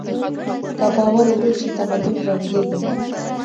که باور ورک شي، تمدن ړنګېږي.